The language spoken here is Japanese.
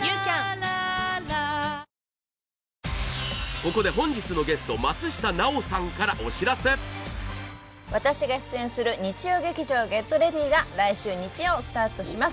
ここで本日のゲスト私が出演する日曜劇場「ＧｅｔＲｅａｄｙ！」が来週日曜スタートします